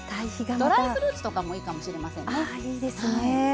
ドライフルーツとかもいいかもしれませんね。